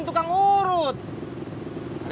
tukang urut masih bro